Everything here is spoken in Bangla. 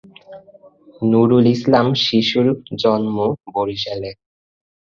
নুরুল ইসলাম শিশুর জন্ম বরিশালে।